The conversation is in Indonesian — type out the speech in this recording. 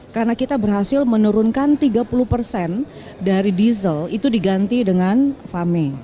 karena kita berhasil menurunkan tiga puluh persen dari diesel itu diganti dengan fame